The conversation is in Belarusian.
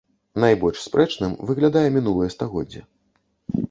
Найбольш спрэчным выглядае мінулае стагоддзе.